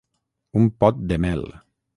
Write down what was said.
Un pot de mel.